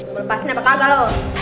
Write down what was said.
gue lepasin apa kagak loh